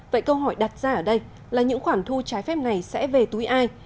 vậy câu hỏi đặt ra ở đây là những khoản thu trái phép này sẽ về túi ai